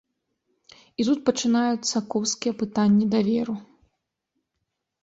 І тут пачынаюцца коўзкія пытанні даверу.